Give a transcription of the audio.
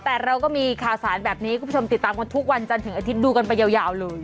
แต่เราก็มีข่าวสารแบบนี้คุณผู้ชมติดตามกันทุกวันจันทร์ถึงอาทิตย์ดูกันไปยาวเลย